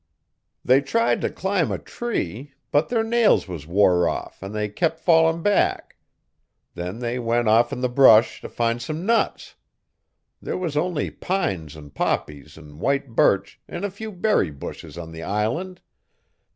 They tried t' climb a tree, but their nails was wore off an' they kep' fallin' back. Then they went off 'n the brush t' find some nuts. There was only pines an' poppies an' white birch an' a few berry bushes on the island.